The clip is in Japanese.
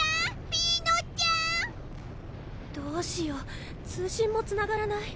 ピーノちゃん！どうしよう通信もつながらない。